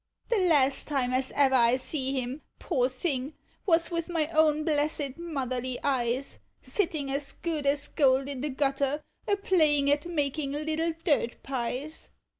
The last time as ever I see him, poor thing, was with my own blessed Motherly eyes, Sitting as good as gold in the gutter, a playing at making little dirt pies.